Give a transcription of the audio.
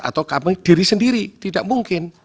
atau diri sendiri tidak mungkin